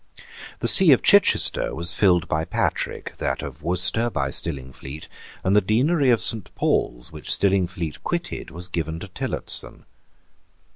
The see of Chichester was filled by Patrick, that of Worcester by Stillingfleet; and the deanery of Saint Paul's which Stillingfleet quitted was given to Tillotson.